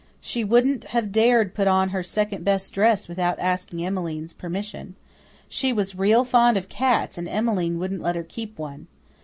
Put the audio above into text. She wouldn't have dared put on her second best dress without asking Emmeline's permission. She was real fond of cats and Emmeline wouldn't let her keep one.